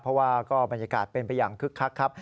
เพราะว่าก็บรรยากาศเป็นไปอย่างคึกคักครับ